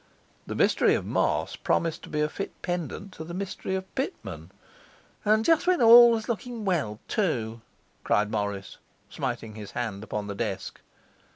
The mystery of Moss promised to be a fit pendant to the mystery of Pitman. 'And just when all was looking well too!' cried Morris, smiting his hand upon the desk.